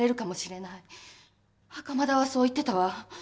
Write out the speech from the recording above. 袴田はそう言ってたわ。